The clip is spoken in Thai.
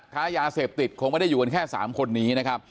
ค้ายาเสพติดคงไม่ได้อยู่กันแค่๓คนนี้นะครับ